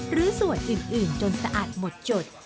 หรือส่วนอื่นจนสะอาดหมดจด